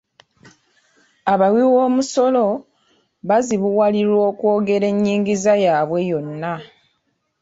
Abawiboomusolo bazibuwalirwa okwogera ennyingiza yaabwe yonna.